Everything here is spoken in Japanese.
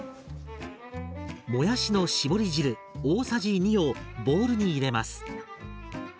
もやしの絞り汁大さじ２をボウルに入れます。